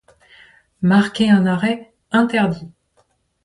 Marquer un arrêt, interdit.